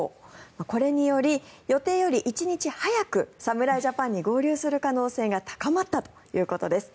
これにより、予定より１日早く侍ジャパンに合流する可能性が高まったということです。